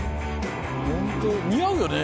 ホント似合うよね。